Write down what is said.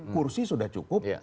kursi sudah cukup